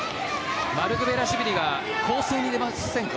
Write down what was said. マルクベラシュビリが攻勢に出ていませんか？